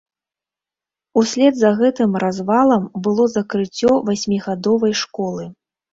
Услед за гэтым развалам было закрыццё васьмігадовай школы.